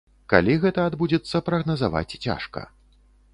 Калі гэта адбудзецца, прагназаваць цяжка.